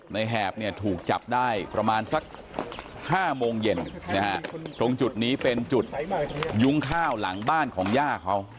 แหบเนี่ยถูกจับได้ประมาณสัก๕โมงเย็นนะฮะตรงจุดนี้เป็นจุดยุ้งข้าวหลังบ้านของย่าเขา